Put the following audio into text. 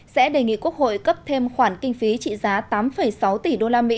sẽ đề nghị quốc hội cấp thêm khoản kinh phí trị giá tám sáu tỷ usd